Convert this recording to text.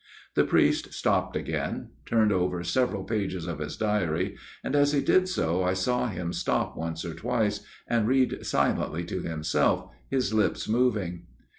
The priest stopped again ; turned over several pages of his diary, and as he did so I saw him stop once or twice and read silently to himself, his lips moving.